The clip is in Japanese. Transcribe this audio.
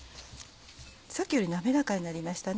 さっきより滑らかになりましたね。